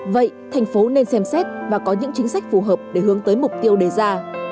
vậy thành phố nên xem xét và có những chính sách phù hợp để hướng tới mục tiêu đề ra